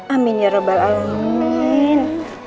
amin ya rabbal alamin